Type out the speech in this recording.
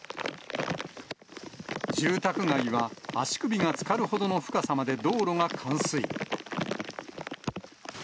住宅街は足首がつかるほどの深さまで道路が冠水。